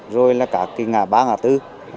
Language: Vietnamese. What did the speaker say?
rồi là các ngã ba ngã tư